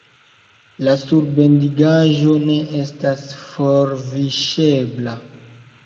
La surbendigaĵo ne estas forviŝebla.